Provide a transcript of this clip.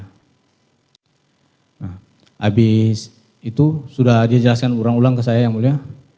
nah habis itu sudah dia jelaskan ulang ulang ke saya yang mulia